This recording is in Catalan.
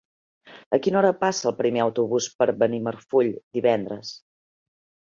A quina hora passa el primer autobús per Benimarfull divendres?